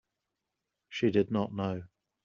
She did not know.